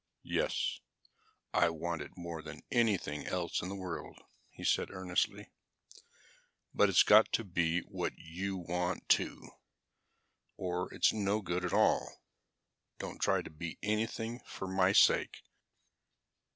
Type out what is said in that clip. "Yes, I want it more than anything else in the world," he said earnestly. "But it's got to be what you want, too, or it's no good at all. Don't try to be anything for my sake.